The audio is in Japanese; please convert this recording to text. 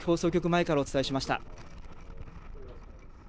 前からお伝えしました。